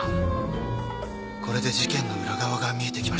これで事件の裏側が見えてきましたね。